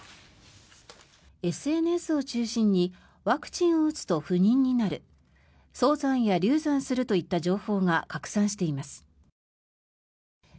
ＳＮＳを中心にワクチンを打つと不妊になる早産や流産するといった情報が拡散しています。